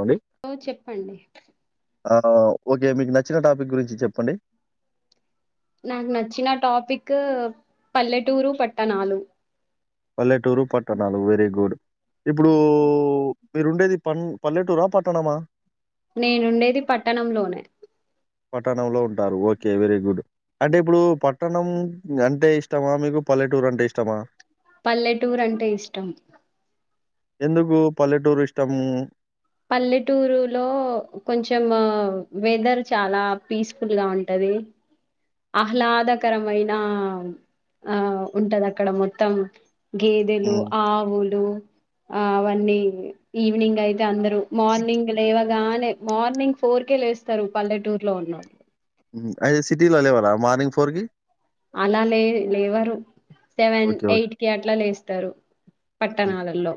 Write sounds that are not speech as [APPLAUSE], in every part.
అండి ఓ చెప్పండి ఆ ఓకే మీకు నచ్చిన టాపిక్ గురించి చెప్పండి. నాకు నచ్చిన టాపిక్ పల్లెటూరు, పట్టణాలు పల్లెటూరు పట్టణాలు వెరీ గుడ్. ఇప్పుడు డు మీరుండేది పన్ పల్లెటూరా, పట్టణమా నేనుండేది పట్టణంలోనే. పట్టణంలో ఉంటారు ఓకే వెరీ గుడ్ అంటే ఇప్పుడు పట్టణం అంటే ఇష్టమా, మీకు పల్లెటూరు అంటే ఇష్టమా. పల్లెటూరు అంటే ఇష్టం. ఎందుకు పల్లెటూరిష్టటము పల్లెటూరు లో కొంచెం వెదర్ చాలా పీస్ఫుల్ గా ఉంటది ఆహ్లాదకరమైన ఆ ఉంటది అక్కడ మొత్తం గేదెలు హ్మ్. ఆవులు ఆ అవన్నీ ఈవినింగ్ అయితే అందరు మార్నింగ్ లే ఇవగానే మార్నింగ్ ఫోర్ కేే లేస్తారు పల్లెటూర్ లో ఉన్నోళ్లు అయితే సిటీలో లేవారా మార్నింగ్ ఫోర్ కి అలా లే లేవరు సెవెన్ ఓకే ఓకే. ఎయిట్ కి అట్లా లేస్తారు హ్మ్. పట్టణాలలో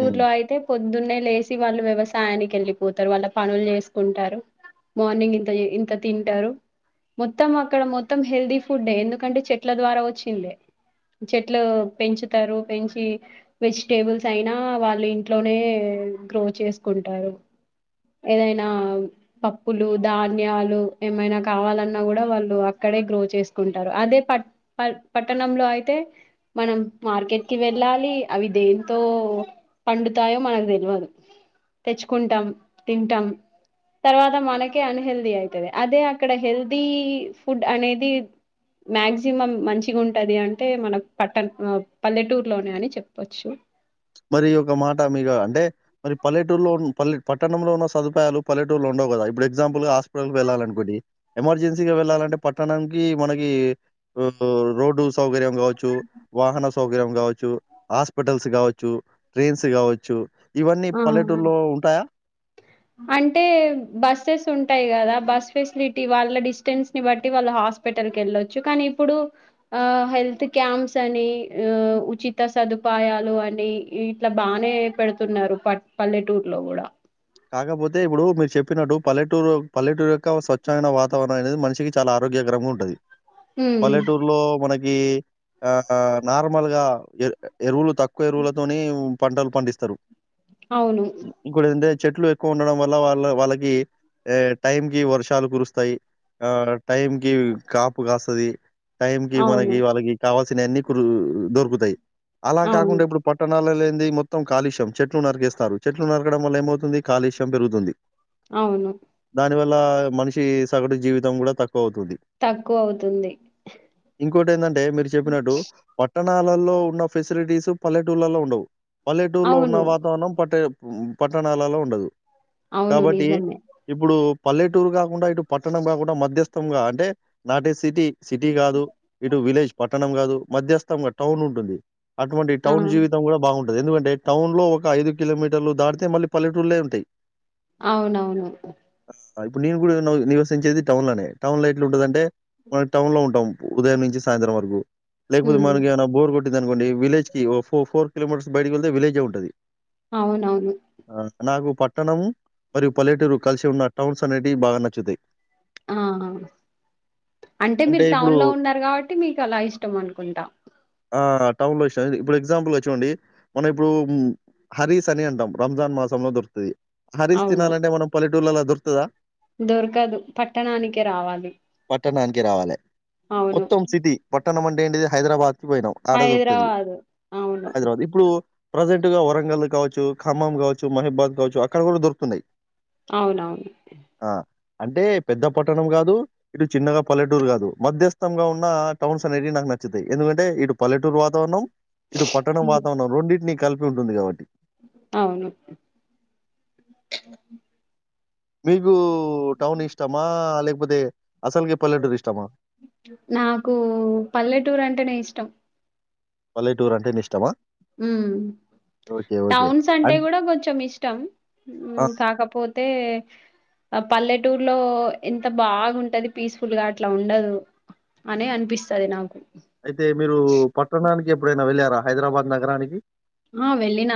హ్మ్. అయితే ద్దున్నే లేసి వాళ్ళు వ్యవసాయానికి వెళ్ళిపోతారు వాళ్ళ పనులు చేసుకుంటారు మార్నింగ్ ఇంత ఇంత తింటారు మొత్తం అక్కడ మొత్త మొత్తం హెల్దీ ఫుడ్ ఎందుకంటే చెట్ల ద్వారా వచ్చిందే చెట్లు పెంచుతారు పెంచి వెజిటేబుల్స్ అయినా వాళ్ళు ఇంట్లోనే గ్రో చేసుకుంటారు ఏదైనా పప్పులు ధాన్యాలు ఏమైనా కావాలన్నా కూడా వాళ్ళు అక్కడే గ్రో చేసుకుంటారు అదే పట్ట పట్టణంలో అయితే మనం మార్కెట్ కి వెళ్ళాలి అవి దేంతో పండుతాయో మనకు తెల్వదు తెచ్చుకుంటాం తింటాం తర్వాత మనకే అన్హెల్దీ అవుతుంది అదే అక్కడ హెల్దీ ఫుడ్ అనేది మ్యాక్సిమం మంచిగా ఉంటది అంటే మన పట్టణ పల్లెటూరులోనే అని చెప్పచ్చు మరి ఒక మాట మీకు అంటే మరి పల్లెటూరులో ఉ పల్లె పట్టణంలో ఉన్న సదుపాయాలు పల్లె టూరులో ఉండవు కదా ఇప్పుడు ఎగ్జాపుల్గా హాస్పిటల్కి వెళ్ళాలి అనుకోండి ఎమర్జెన్సీగా వెళ్ళాలంటే పట్టణంకి మనకి రోడ్డు సౌకర్యం కావచ్చు వాహన సౌకర్యం కావచ్చు హాస్పిటల్స్ కావచ్చు ట్రైన్స్ కావచ్చు ఇవన్నీ ఆహా పల్లెటూలో ఉంటాయా అంటే బస్సెస్ ఉంటాయి కదా బస్ ఫెసిలిటీ వాళ్ళ డిస్టెన్స్ ని బట్టి వాళ్ళు హాస్పిటల్ క వెళ్ళచ్చు కానీ ఇప్పుడు ఆ హెల్త్ క్యాంప్స్ అని ఆ ఉచిత సదుపాయాలు అని ఇట్లా బానే పెడుతున్నారు పట్ పల్లెటూర్లో కూడా కాకపోతే ఇప్పుడు మీరు చెప్పినట్టు పల్లెటూరు పల్లెటూరు యొక్క స్వచ్ఛమైన వాతావరణం అనేది మనిషకి చాలా ఆరోగ్యకరంగా ఉంటది ఉమ్ పల్లెటూర్ లో మనకి ఈ ఆ నార్మల్ గా ఎ ఎరువులు తక్కువ ఎరువులతోని పంటలు పండిస్తారు అవును ఇంకోటి ఇందేత్ చెట్లు ఎక్కువ ఉండడం వల్ల వాళ్ళ వాళ్ళకి టైమ్ కి వర్షాలు కురుస్తాయి ఆ టైం కి కాపు కాస్త స్తది టైం కి అవును మనకి వాళ్ళకి కావాల్సినవి అన్ని దొరుకుతాయి అలా అవును కాకుండా ఇప్పుడు పట్టణాల లే మొత్తం కాలుషం చెట్లు నరిగేస్తారు చెట్లు నరగడం వల్ల ఏమవు తుంది కాలుష్యం పెరుగుతుంది అవును లా మనిషి సగటు జీవితం కూడా తక్ పోతుంది తక్కువ అవుతుంది ఇంకోటి ఎందంటే మీరు చెప్పినట్టు పటాన్ పట్టణాలల్లో ఉన్న ఫెసిలిటీస్ పల్లెటూళ్లలో ఉండవు పల్లెటూర్లో ఉన్న అవును వాతావరణం పట్టే ఉమ్ పట్నాల్ నాలల్లో ఉండదు. అవును కాబట్టి నిజమే ఇప్పుడు పల్లెటూరు కాకుండా ఇటు పట్టణం కాకుండా మధ్యస్థంగా అంటే నాటే సిటీ సిటీ కాదు ఇటు విలేజ్ పట్టణం కాదు. మధ్యస్థంగా టౌన్ ఉంటుంది. అటువంటి ఆ టౌన్ జీవితంలో బాగుం ఎందుకంటే టౌన్ లో ఒక ఐదు కిలోమీటర్లు దాటితే మళ్ళీ పల్లెటూళ్లే ఉంటాయ్ అవునవును ఆ ఇప్పుడు నేను కూడా నై నివసించేది టౌన్ లోనే టౌన్ లో ఎట్లా ఉంటదంటే, మనం టౌన్ లో ఉంటాం ఉదయం నుంచి సాయంత్రం వరకు లేకపోతే ఉమ్ మనకేమైన బోర్ కోట్ ఉంటుంది అనుకోండి విలేజ్ కి ఓ ఫో ఫోర్ కిలోమీటర్స్ బయటకి వెళ్తే విలేజ్ ఎ ఉంటది. అవునవును ఆ నాకు పట్టణం మరియు పల్లెటూరు కలిసి ఉన్న టౌన్స్ అనేటివి బాగా నచ్చుతాయి. ఆ అంటే మీరు టౌన్ లో ఉన్నారు కాబట్టి మీకు అలా ఇష్టం అనుకుంటా. ఆ టౌన్ లో వచ్చా ఇప్పుడు ఎగ్జాంపుల్ ఏ చూడండి. మనం ఇప్పుడు హరీస్ అని అంటాం రంజాన్ మాసంలో దొరుకుతాది. హరీస్ అవును తినాలంటే మనం పల్లెటూర్లలో దొరుకు [UNINTELLIGIBLE] దొరకదు పట్టణానినికే రావాలి. పట్టణానికి అవును పట్టమంటే ఏంటిది హైదరాబాద్ పోయినాం ఆడే దొరుకుతది. హైదరాబాదు అవును హైదరాబాద్ ఇప్పుడు ప్రజెంట్ గా వరంగల్లు కావచ్చు ఖమ్మం కావచ్చు మహిబాద్ కావచ్చు అక్కడ కూడా దొరుకుతున్నాయి అవునవును ఆ! అంటే పెద్ద పట్టణం కాదు ఇటు చిన్నగా పల్లెటూరు కాదు, మధ్యస్థంగా ఉన్న టౌన్స్ అనేవి నాకు నచ్చతాయి ఎందుకంటే ఇటు పల్లె ఇటు వాతావరణం ఇటు పట్టణం ఉమ్, వాతావరణం రెండింటినీ కలిపి ఉంటుంది కాబట్టి అవును మీగు ఉ టౌన్ ఇష్టమా ఆ లేక్ ప్పుదే నాకు పల్లెటూర్ అంటే నే ఇష్టం పల్లెటూర్ అంటేనే ఇష్టమా మ్మ్ ఓకే. ఓకే. టౌన్స్ అంటే అన్ కూడా కొంచెం ఇష్టం ఆ! కాకపోతే పల్లెటూర్లో ఎంత బాగుంటది పీస్ఫుల్ గా అట్లా ఉండదు అని అనిపిస్తది నాకు అయితే మీరు పట్టణానికి ఎప్పుడైనా వెళ్లారా హైదరాబాద్ నగరానికి ఆ వెళ్ళిన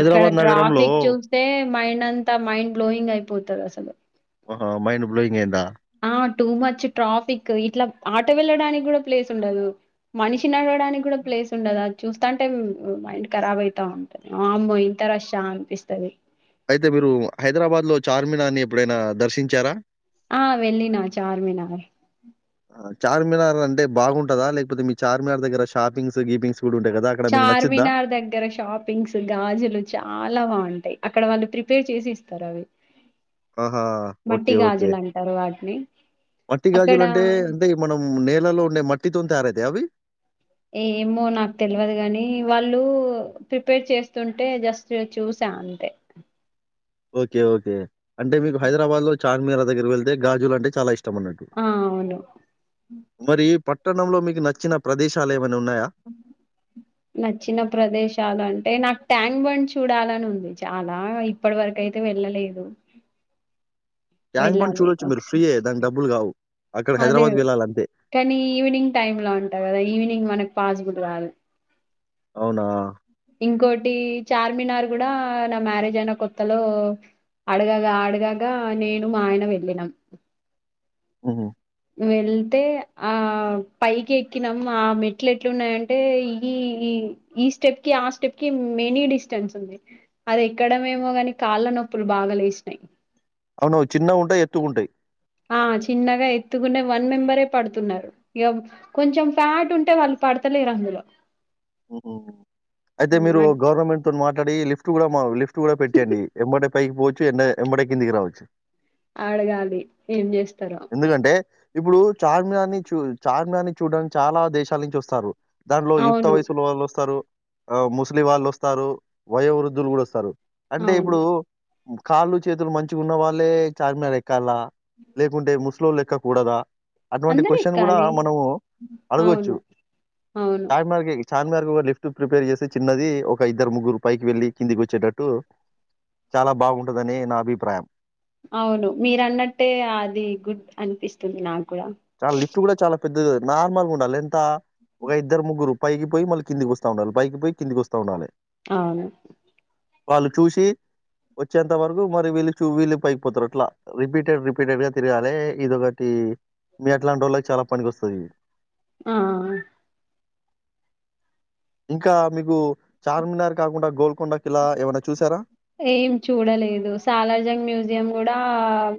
అక్కడ నగరంలో ట్రాఫిక్ చూస్తే మైండ్ అంతా మైండ్ బ్లోయింగ్ అయిపోతది అసలు ఆహా మైండ్ బ్లోయింగ్ అయిదా ఆ టూ మచ్ ట్రాఫిక్ ఇట్లా ఆటో వెళ్ళడానికి కూడా ప్లేస్ ఉండదు మనిషినిడడానికి కూడా ప్లేస్ ఉండదు అది చూస్తాంటే మైండ్ కరబ్ అయితా ఉంటుది వామ్మో ఇంత రష్షా అనిపిస్తాది అయితే మీరు హైదరాబాద్ లో చార్మినార్నీ ఎప్పుడైనా దర్శించారా ఆ వెళ్ళిన చార్మినార్ ఆ! చార్మినార్ అంటే బాగుంటదా లేకపోతే మీ చార్మినార్ దగ్గర షాపింగ్స్ గీపింగ్స్ కూడా ఉంటాయి కదా! అక్కడ మీకు నచ్చిద్దా? చార్మినార్ దగ్గర షాపింగ్స్ గాజులు చాలా బాగుంటాయి అక్కడ వాళ్ళు ప్రిపేర్ చేసి ఇస్తారు అవి ఆహా మట్టి ఓకే ఓకే గాజులు అంటారు వాటిని మట్టి అక్కడ గాజులు అంటే అంటే మనం నేలలో ఉండే మట్టితో తయారైతా అవి ఏమో నాకు తెలవదు కాని వాళ్ళు ప్రిపేర్ చేస్తుంటే జస్ట్ చూసా అంతే ఓకే ఓకే అంటే మీకు హైరాబాద్ లో చార్మీ దగ్గర వెళ్తే గాజులాంటే చాలాష్టం తమన్నట్టు ఆ అవును మరి పట్ట పట్టణంలో మీకు నచ్చిన ప్రదేశాలే నచ్చిన ప్రదేశాలు అంటే నాకు ట్యాంక్ బండ్ చూడాలని ఉంది చాలా ఇప్పటి వరకు అయితే వెళ్ళలేదు ట్యాంక్ బండ్ వెళ్ళాలి చూడొచ్చు మీరు ఒకసారి ఫ్రీయే దానికి డబ్బులు గావు. అక్కడ అదే హైదరాబాద్‌కి వెళ్ళాలంతే. కానీ ఈవినింగ్ టైమ్ లో అంటా కదా ఈవినింగ్ మనకు పాస్ బుద్ధి కాదు అవునా ఇంకోటి చార్మినార్ కూడా నా మ్యారేజ్ అయిన కొత్తలో అడగాగా అడగాగా నేను మా ఆయన వెళ్ళినం ఓ వెళ్తే ఆ పైకి ఎక్కినాం ఆ మెట్లు ఎట్లున్నాయంటే ఈ ఈ ఈ స్టెప్ కి ఆ స్టెప్ కి మెనీ డిస్టెన్స్ ఉంది అది ఎక్కడమేమో గాని కాళ్ళ నొప్పులు బాగా లేసినాయి అవున చిన్న ఉంటాయి ఎత్తు ఉంటాయి ఆ చిన్నగా ఎత్తుకునే వన్ మెంబరే పడుతున్నారు ఇక కొంచెం ఫ్యాట్ ఉంటే వాళ్ళు పడతలేర్ అందులో అయితే హ్మ్. మీరు అడ్ గవర్నమెంట్ తో మాట్ ట్లాడి లిఫట్ కూడా మా లిఫట్ కూడా పెట్టింది ఎంబడే పైకి పోవచ్చు ఎన్న ఎంమటె కిందికి రావచ్చు ఆడగాలి ఏం చేస్త ఎందుకంటే ఇప్పుడు చార్మినార్ ని చూ చార్మనార్ ని చూడడానికి చాలా దేశాల నుంచి వస్తారు దాంట్లో యుక్త అవును వయసున్న వాళ్ళు వస్తారు ఆ ముస్లిం వాళ్ళు వస్తారు వయో వృద్ధులు కూడా వస్తారు అంటే అవును ఇప్పుడు కాళ్ళు చేతులు మంచిగా ఉన్న వాళ్ళే చార్మినార్ ఎక్కాలా లే కుంటే ముస్లోల్లుఎక్కకూడదా అటువంటి అందరు క్వశ్చన్ కూడా ఎక్కాలి మనము అడగవచ్చు అవును అవును చార్మినార్ కెగీ చార్మినార్ కు లిఫ్ట్ ప్రిపేర్ చేసి చిన్నది ఒక ఇద్దరు ముగ్గురు పైకి వెళ్ళి కిందికి వచ్చేటట్టు చాలా బాగుంటందని నా అభిప్రాయం అవును మీరు అన్నట్టే అది గుడ్ అనిపిస్తుంది నాకు కూడా చాలాలిఫ్ట్ కూడా చాలా పెద్దగా నార్మల్గా ఉండాలి ఎంత ఒక ఇద్దరు ముగ్గురు పైకి పోయి మళ్ళీ కిందికి వస్తూ ఉండాలి పైకి పోయి కిందికి వస్తూ ఉండాలి అవును వాళ్ళు చూసి వచ్చేంత వరకు మరి వీళ్ళు చూ వీళ్ళు పైకిపోతారు అట్లా రిపీటెడ్ రిపీటెడ్ గా తిరగాలి ఇదొకటి మీ అట్లాంటోళ్ళకి చాలా పనికొస్తది ఆ ఇంకా మీకు చార్మినార్ కాకుండా గోల్ ఏం చూడలేదు సాలార్జంగ్ మ్యూజియం కూడా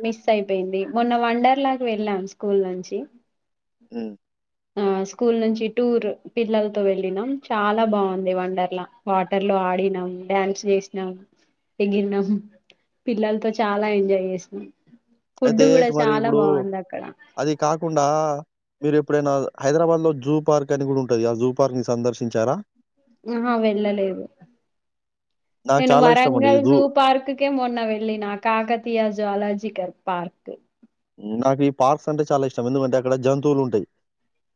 మిస్ అయిపోయింది మొన్న వంన్డర్లాగు వెళ్ళాం స్కూల్ నుంచి హ ఆ స్కూల్ నుంచి టూర్ పిల్లలతో వెళ్ళినం చాలా బాగుంది వండర్లా వాటర్ లో ఆడినాం డ్యాన్స్ చేసినాం ఎగరినాం పిల్లలతో చాలా ఎంజాయ్ చేసినాం ఫుడ్ అయితే కూడా మరి చాలా ఇప్పుడు బాగుంది అక్కడ అది కాకుండా మీరు ఇప్పుడైనా హైదరాబాద్ లో జూ పార్క్ అని కూడా ఉంటుది ఆ జూ పార్క్ ని సందర్శించారా ఆహూవెళ్ళలేదు నాకు నేను చాలా ఇష్టం అండి ఈ వరంగల్ జూ పార్క్ కే మొన్న వెళ్ళినా కాకతీయ జ్వాలాజీ పార్క్ నాకు ఈ పార్క్స్ అంటే చాలా ఇష్టం ఎందుకంటే అక్కడ జంతువులు ఉంటయి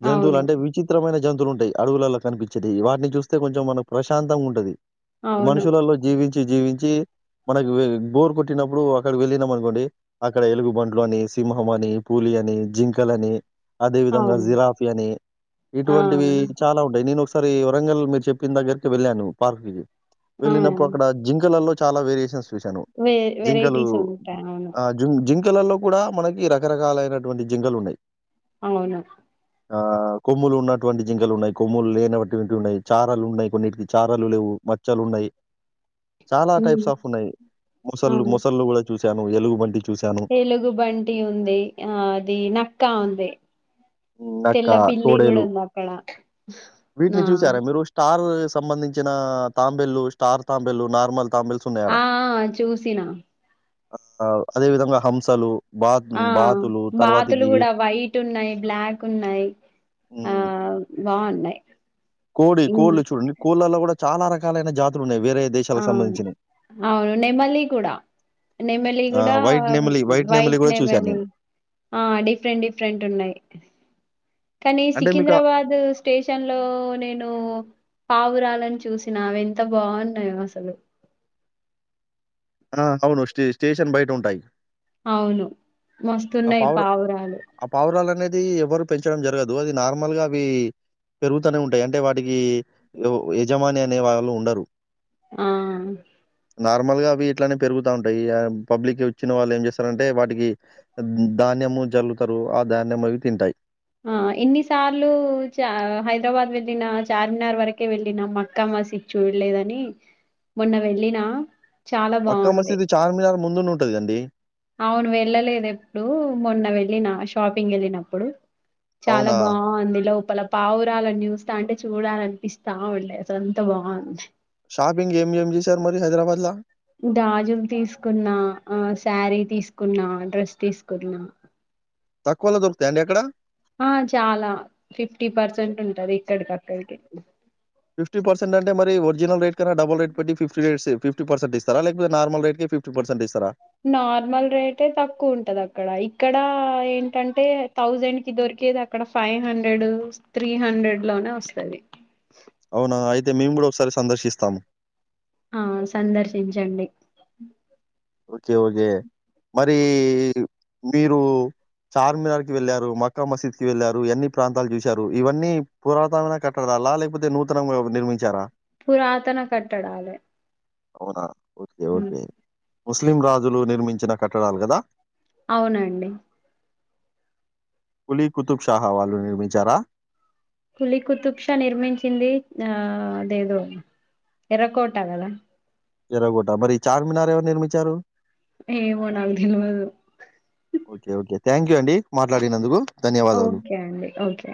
జంతువులు అవును అంటే విచిత్రమైన జంతువు ఉంటాయి అడుగులలో కనిపించేది వాటిని చూస్తే కొంచెం మనకు ప్రశాంతంగా ఉంటది అవును మనుషులలో జీవించి జీవించి మనకు బోర్ కొట్టినప్పుడు అక్కడ వెళ్ళినాం అనుకోండి అక్కడ ఎలుగుబండ్లు అని సింహం అని పూలి అని జింకల్ అని అదే విధంగా అవును జిరాఫి అని ఆ ఇటువంటివి చాలా ఉంటాయి నేను ఈ వరంగల్ మీరు చెప్పిన దగ్గకి వెళ్ళాను పార్క్ ఆ వెళ్ళినప్పుడు అక్కడ జింకలల్లో చాలా వేరియేషన్స్ చూశాను వె జింకలు వెరైటీస్ ఉంటాయి అవును అ జింజిం ఇల్లలో కూడా మనకి రకరకాలైనటువంటి జింకలు ఉన్నాయి. అవును. ఆహ్ కొమ్ములు ఉన్నటువంటి జింకలు ఉన్నాయి. కొమ్ములు లేనటువంటివి ఉన్నాయి. చారాలు ఉన్నాయి. కొన్నిటికి చారాలు లేవు. మచ్చలు ఉన్నాయి. చాలా ఉమ్, టైప్స్ ఆఫ్ ఉన్నాయి ముసళ్ళు ముసళ్ళు కూడా చూసాం. ఎలుగుబంటి. చూశాను. ఎలుగుబంట్. డి ఉంది ఆహ్ అది నక్కా ఉంది. నక్క తెల్ల పిల్లి కూడా తోడేలు ఉంది అక్కడ ఆ వీటిని చూసారా మీరు స్టార్. సంబంధించిన తాంబెల్లు స్టార్ తాంబెల్లు నార్మల్. తాంబేల్స్ ఉన్నాయి ఆడ. ఆహ్ చూసిన. ఆహ్ అదే విధంగా హంసలు. బాత్ ఆహ్ బాతులు బాతులు తర్వాతకి కూడా వైట్ ఉన్నాయి. బ్లాక్ ఉన్నాయి హ్మ్. ఆహ్. బాగున్నాయి. కోడి కోళ్ళు ఇం- చూడండి కోళ్ళులల్ల కూడా చాలా రకాలైన జాతులున్నాయి. వేరే దేశాలకు అవును సంబంధించినయి. అవును నెమలి కూడా నెమలి కూడా ఆహ్, వైట్ నెమిలి, నెమిలి వైట్ గూడా చూశాను నెమలి నేను. ఆహ్ డిఫరెంట్ డిఫరెంట్ ఉన్నాయి. కానీ అంటే మీకు సికింద్రాబాద్ స్టేషన్ లో నేను. పావురాలని చూసినా అవి ఎంత బాగున్నాయో అసలు. ఆహ్ అవును స్టే స్టేషన్ బయట ఉంటాయి. అవును. మస్తున్నాయి పావురాలు. అది ఎవరు పెంచడం జరగదు. అది నార్మల్ గా అవి పెరుగుతనే ఉంటాయి. అంటే వాటికి ఎవ యజమాని అనే వాళ్ళు ఉండరు. ఆహ్ నార్మల్ గా అవి ఇట్లానే పెరుగుతా ఉంటాయి పబ్లిక్ వచ్చిన వాళ్ళు ఏం చేస్తారంటే వాటికి. ధాన్యము జల్లుతారు ఆ ధాన్యంము అవి తింటాయి. ఆహ్ ఎన్ని సార్లు చ హైదరాబాద్ వెళ్ళిన చార్మినార్ వరకే వెళ్ళిన మక్కా మసీద్ చూడలేదని మొన్న వెళ్ళిన. మక్కా మసీదు చార్మినార్ ముందున ఉంటదండి. అవును వెళ్ళలేదు ఎప్పుడు మొన్న వెళ్ళిన షాపింగ్ వెళ్ళినప్పుడు. చాలా అవునా? బాగుంది లోప్ పల పావురాలను చూస్తావుంటే చూడాలనిపిస్తా ఉండే అసలు అంత బాగుంది. షాపింగ్ ఏం ఏం చేశారు. మరి హైదరాబాద్ లా. గాజులు తీసుకున్నా, ఆహ్ శారీ తీసుకున్నా, డ్రెస్ తీసుకున్నా. తక్కువలో దొరుకుతాయ అండి అక్కడ. ఆహ్ చాలా ఫిఫ్టీ పర్సెంట్ ఉంటది ఇక్కడికక్కడికి. ఫిఫ్టీ పర్సెంట్ అంటే మరి వర్ నిజాంపేట్. డల్ రేట్టి ఫిఫటీ రేట్స్ ఫిఫటీ పర్సంట్స్తా లేకపోతే నార్ల్ రేట్ కే ఫి్టీ పర్సెట్ ఇస్తా నార్మల్ రేటే తక్కువ ఉంటంది అక్కడ ఇక్కడ ఏంటంటే థౌజండ్ కి దొరికేది అక్కడ ఫైవ్ హండ్రెడ్ త్రీ హండ్రెడ్ లోనే వస్తది అవునా అయితే మేము కూడా ఒకసారి సందర్శిస్తాము ఆ సందర్శించండి ఓకే ఓకే మరి మీరు చార్మినార్ కి వెళ్ళారు మక్కా మసీద్ కి వెళ్ళారు ఎన్ని ప్రాంతాలు చూశారు ఇవన్నీ పురాతనమైన కట్టడాలా లేకపోతే నూతనంగా నిర్మించారా పురాతన కట్టడాలే అవునా ఓకే ఉమ్, ఓకే ముస్లిం రాజులు నిర్మించిన కట్టడాలు కదా అవునండి కులీ కుతూబ్శహ వాళ్ళు నిర్మిీించారా కూలి కుతుప్ష నిర్మించింది ఆ అదేదో ఎర్రకోట కదా ఎర్రకోట మరి చార్మినార్ ఎవరు నిర్మించారు ఏమొ నాకు తెల్వదు థ్యాంక్ యూ అండి మాట్లాడినందుకు ధన్యవాదాలు. ఓకే అండి ఓకే